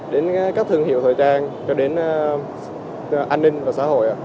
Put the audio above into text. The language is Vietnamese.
đến các thương hiệu thời trang cho đến an ninh và xã hội